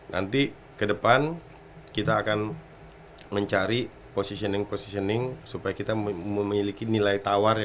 nanti ke depan kita akan mencari positioning positioning supaya kita memiliki nilai tawar